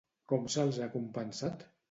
Com se'ls ha compensat?